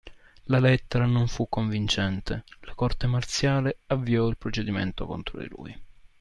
La lettera non fu convincente: la corte marziale avviò il procedimento contro di lui.